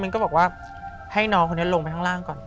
ก็บอกว่าให้น้องคนนี้ลงไปข้างล่างก่อน